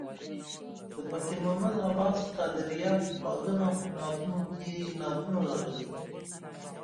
د فقیر محمد عباس قادریه په خواږه نعتونه کې یې نعتونه راغلي دي.